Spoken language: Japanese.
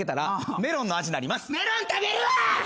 メロン食べるわ！